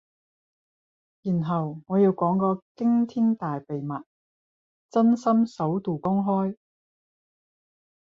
然後我要講個驚天大秘密，真心首度公開